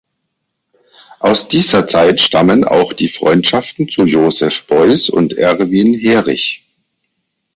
Aus dieser Zeit stammen auch die Freundschaften zu Joseph Beuys und Erwin Heerich.